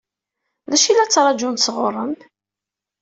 D acu i la ttṛaǧun sɣur-m?